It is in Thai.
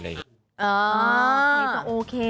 อ๋อนี่ก็โอเค